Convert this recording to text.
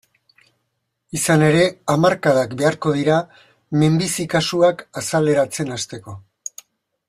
Izan ere, hamarkadak beharko dira minbizi kasuak azaleratzen hasteko.